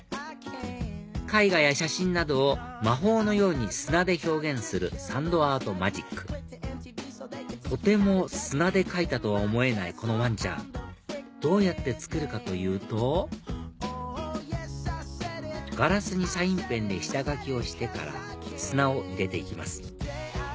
絵画や写真などを魔法のように砂で表現するＳａｎｄＡｒｔＭａｇｉｃとても砂で描いたとは思えないこのわんちゃんどうやって作るかというとガラスにサインペンで下描きをしてから砂を入れて行きます